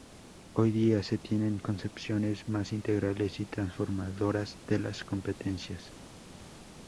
Hoy día se tienen concepciones más integrales y transformadoras de las competencias.